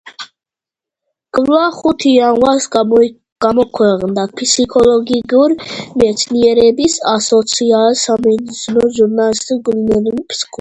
კვლევა ხუთ იანვარს გამოქვეყნდა ფსიქოლოგიური მეცნიერების ასოციაციის სამეცნიერო ჟურნალში „კლინიკური ფსიქოლოგია“.